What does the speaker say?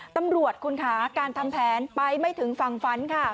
ตำรวจคุณค่ะการทำแผนไปไม่ถึงฝั่งฝันค่ะ